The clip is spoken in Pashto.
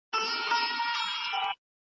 هغه کسان چي په صحرا کي دي زړور وي.